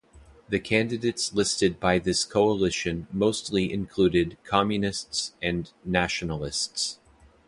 The candidates listed by this coalition mostly included communists and nationalists.